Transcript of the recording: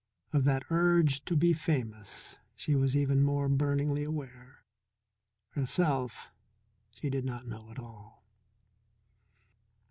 Of that Urge to be famous she was even more burningly aware; herself she did not know at all.